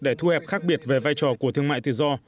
để thu hẹp khác biệt về vai trò của thương mại tự do